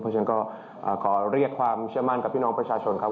เพราะฉะนั้นก็ขอเรียกความเชื่อมั่นกับพี่น้องประชาชนครับ